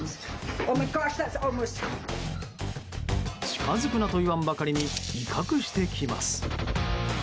近づくなと言わんばかりに威嚇してきます。